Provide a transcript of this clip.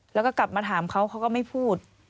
แล้วก็กลับมาถามเขาเขาก็ไม่พูด